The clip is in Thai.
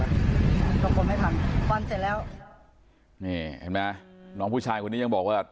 บางคนไม่ทำฟันเสร็จแล้วนี่เห็นไหมน้องผู้ชายคนนี้ยังบอกว่า